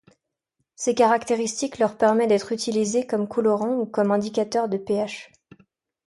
Ces caractéristiques leur permet d'être utilisées comme colorant ou comme indicateur de pH.